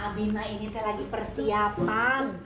abi mah ini teh lagi persiapan